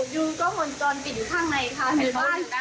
ดูกล้องบุกจำติดอยู่ข้างในค่ะ